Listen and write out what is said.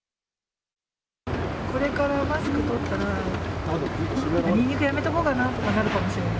これからマスク取ったら、ニンニクやめとこうかなとかなるかもしれない。